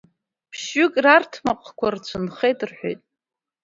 Ԥшьҩык рарҭмаҟқәа рцәынхеит, рҳәеит.